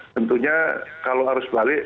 tentunya kalau harus balik